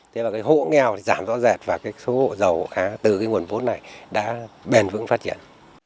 thế và cái hộ nghèo thì giảm rõ rệt và cái số hộ giàu hộ khá từ cái nguồn vốn này đã bền vững phát triển